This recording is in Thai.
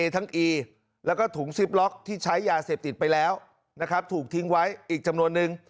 ที่ใช้ยาเสพติดไปแล้วถูกทิ้งไว้อีกจำนวนนึง